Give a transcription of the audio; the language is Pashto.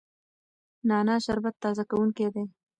نعنا شربت تازه کوونکی دی.